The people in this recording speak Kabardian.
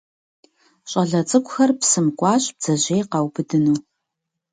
Щӏалэ цӏыкӏухэр псым кӏуащ бдзэжьей къаубыдыну.